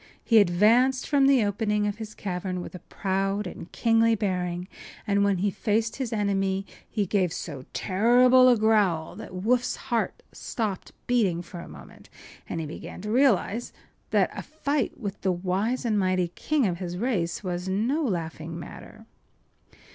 He advanced from the opening of his cavern with a proud and kingly bearing, and when he faced his enemy he gave so terrible a growl that Woof’s heart stopped beating for a moment, and he began to realize that a fight with the wise and mighty king of his race was no laughing matter.